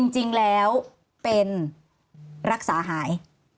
จริงแล้วเป็นรักษาหาย